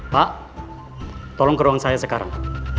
pak tolong ke ruang saya sekarang